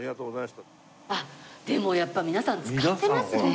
あっでもやっぱ皆さん使ってますね。